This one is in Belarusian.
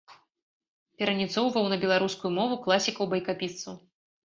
Пераніцоўваў на беларускую мову класікаў-байкапісцаў.